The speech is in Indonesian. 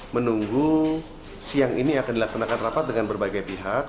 menunggu siang ini akan dilaksanakan rapat dengan berbagai pihak